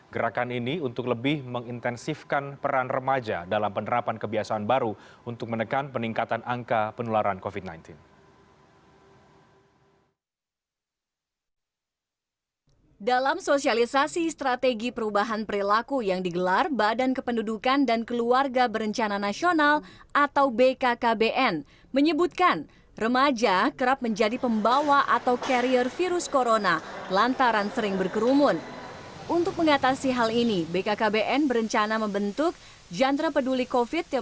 gerakan ini untuk lebih mengintensifkan peran remaja dalam penerapan kebiasaan baru untuk menekan peningkatan angka penularan covid sembilan belas